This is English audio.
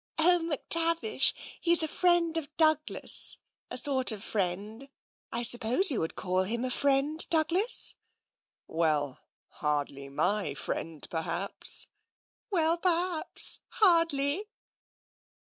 "Oh, McTavish! He's a friend of Douglas — a TENSION 125 sort of friend. I suppose you would call him a friend, Douglas?" "Well, hardly my friend, perhaps." "Well, perhaps hardly!"